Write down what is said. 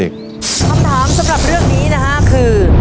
คำถามสำหรับเรื่องนี้นะฮะคือ